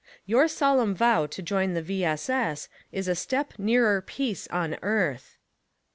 Your solemn vow to join the V. S. S. is a step nearer peace on earth.